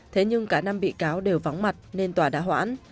thế nhưng cả năm bị cáo đều vắng mặt nên tòa đã hoãn